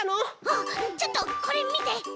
あっちょっとこれみて！